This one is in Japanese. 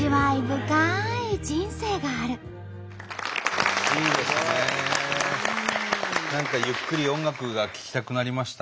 何かゆっくり音楽が聴きたくなりましたね。